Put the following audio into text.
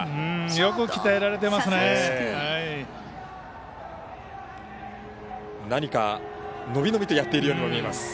よく鍛えられてますね。